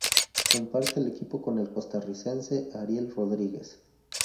Comparte el equipo con el costarricense Ariel Rodríguez.